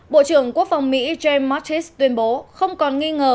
bộ trưởng quốc phòng mỹ james mattis tuyên bố không còn nghi ngờ